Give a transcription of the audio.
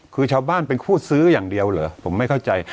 คือชาวบ้านเป็นผู้ซื้ออย่างเดียวเหรอผมไม่เข้าใจ